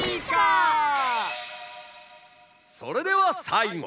「それではさいご。